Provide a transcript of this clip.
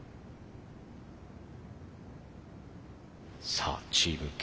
さあチームＫ